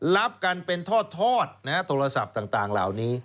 รับกันเป็นทอดโทรศัพท์ต่างเหล่านี้